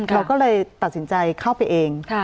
เราก็เลยตัดสินใจเข้าไปเอง